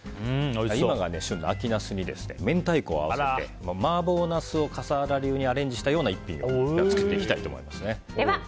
今が旬の秋ナスに明太子を合わせてマーボーナスを笠原流にアレンジしたような一品を作っていきたいと思います。